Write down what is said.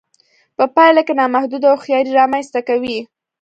په پايله کې نامحدوده هوښياري رامنځته کوي.